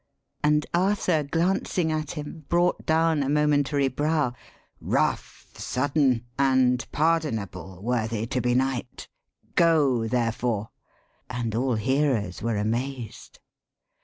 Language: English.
And Arthur glancing at him, Brought down a momentary brow. ' Rough, sud den, And pardonable, worthy to be knight Go therefore,' and all hearers were amazed.